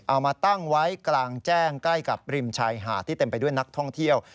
เอามาตั้งไว้กลางแจ้งใกล้กับริมชายหาดที่เต็มไปด้วยนักท่องเที่ยว